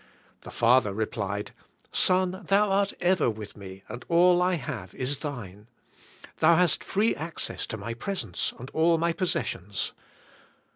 The father replied, "Son, thou art ever with me and all I have is thine. " Thou hast free access to my presence and all my possessions.